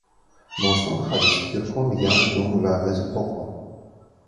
Moson havis kirkon jam dum la mezepoko.